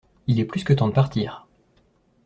Il est plus que temps de partir.